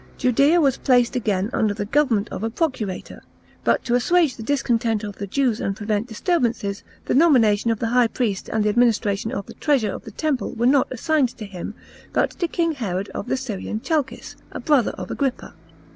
Judea was placed nga n under the government of a procurator, but, to assume the discontent of the Jews and prevent disturbances, the nomination of the high priest and the administration of the treasure of the temple were not assigned to him but to king Herod of the Syrian Chalcis, a brother of Agrippa.